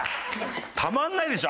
たまんないでしょ？